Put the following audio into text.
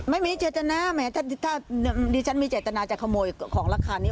ไม่มีเจตนาแหมถ้าดิฉันมีเจตนาจะขโมยของราคานี้